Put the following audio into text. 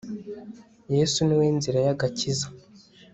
Yesu ni we nzira yagakiza